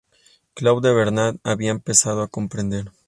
Claude Bernard había empezado a comprender.